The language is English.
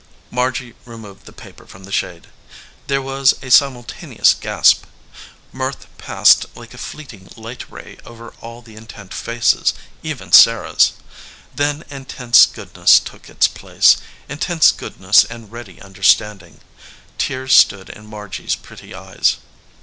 Margy removed tho paper from the shade. There was a simultaneous gasp. Mirth passed like a fleeting light ray over all the intent faces, even Sarah s. Then intense goodness took its place, intense goodness and ready understanding. Tears stood in Margy s pretty eyes.